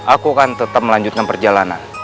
aku akan tetap melanjutkan perjalanan